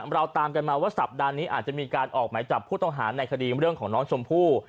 เราตามกันมาว่าสัปดาห์นี้อาจจะมีการออกหมายจับผู้ต้องหาในคดีเรื่องของน้องชมพู่